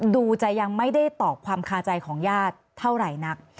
ดูจะยังไม่ได้ตอบความคาใจของญาติเท่าไหร่นัก